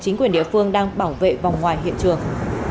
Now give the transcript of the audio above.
chính quyền địa phương đang bảo vệ vòng ngoài hiện trường